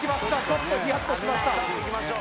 ちょっとヒヤッとしました